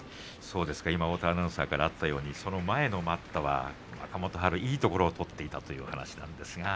太田アナウンサーからあったように前の待ったでは若元春はいいところを取っていたという話です。